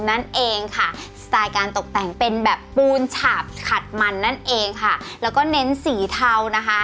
นั่นเองค่ะสไตล์การตกแต่งเป็นแบบปูนฉาบขัดมันนั่นเองค่ะแล้วก็เน้นสีเทานะคะ